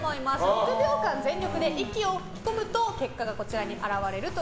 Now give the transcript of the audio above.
６秒間、全力で息を吹き込むと結果がこちらに現れます。